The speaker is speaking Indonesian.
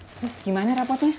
terus gimana rapotnya